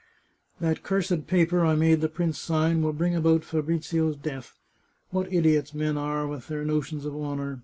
" That cursed paper I made the prince sign will bring about Fabrizio's death ! What idiots men are, with their no tions of honour